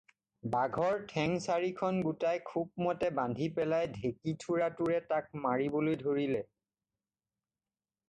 বাঘৰ ঠেং চাৰিখন গোটাই খুবমতে বান্ধি পেলাই ঢেঁকীথোৰাটোৰে তাক মাৰিবলৈ ধৰিলে।